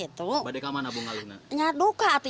ibu sudah di kembali ke tempatmu